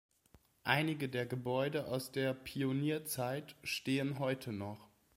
Einige der Gebäude aus der Pionierzeit stehen heute noch.